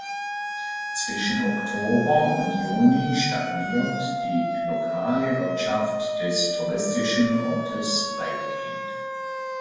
Zwischen Oktober und Juni stagniert die lokale Wirtschaft des touristischen Ortes weitgehend.